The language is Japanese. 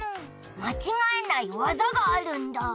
まちがえないワザがあるんだ。